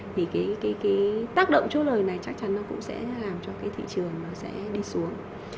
thì tác động chốt lời này chắc chắn cũng sẽ làm cho thị trường đi xuống